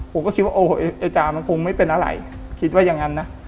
ผมก็คิดว่าโอ้โหไอ้จามันคงไม่เป็นอะไรคิดว่าอย่างนั้นนะ